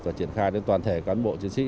và triển khai đến toàn thể cán bộ chiến sĩ